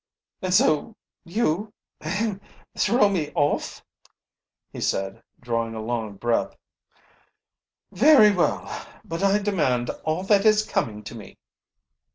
"And so you ahem throw me off," he said, drawing a long breath. "Very well. But I demand all that is coming to me."